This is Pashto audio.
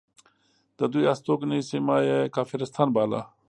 د دوی هستوګنې سیمه یې کافرستان باله.